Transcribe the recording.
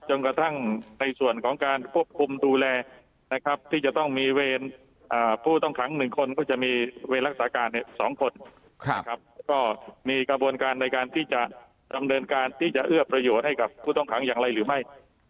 กระทั่งในส่วนของการควบคุมดูแลนะครับที่จะต้องมีเวรผู้ต้องขัง๑คนก็จะมีเวรรักษาการ๒คนนะครับก็มีกระบวนการในการที่จะดำเนินการที่จะเอื้อประโยชน์ให้กับผู้ต้องขังอย่างไรหรือไม่